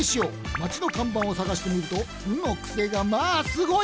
まちのかんばんをさがしてみると「ん」のクセがまあすごい！